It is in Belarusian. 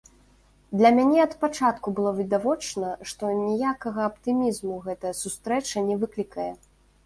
Для мяне ад пачатку было відавочна, што ніякага аптымізму гэтая сустрэча не выклікае.